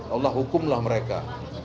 allah hukumlah mereka